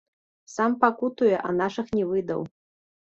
Сам пакутуе, а нашых не выдаў.